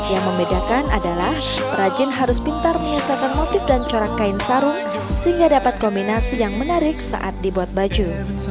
yang membedakan adalah perajin harus pintar menyelesaikan motif dan corak kain sarung sehingga dapat kombinasi yang menarik saat dibuat baju